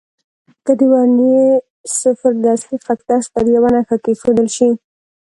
که د ورنيې صفر د اصلي خط کش پر یوه نښه کېښودل شي.